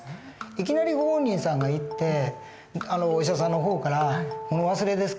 いきなりご本人さんが行ってお医者さんの方から「物忘れですか？」